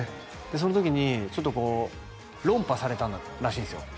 その時にちょっとこう論破されたらしいんですよ